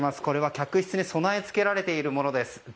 これは客室に備え付けられているものです。